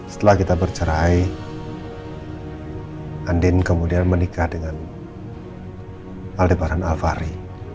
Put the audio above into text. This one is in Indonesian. setelah kita bercerai andin kemudian menikah dengan aldebaran al fahri